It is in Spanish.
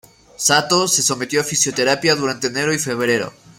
Satō se sometió a fisioterapia durante enero y febrero.